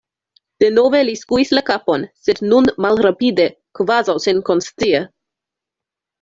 Denove li skuis la kapon, sed nun malrapide, kvazaŭ senkonscie.